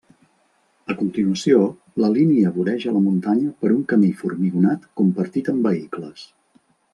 A continuació, la línia voreja la muntanya per un camí formigonat compartit amb vehicles.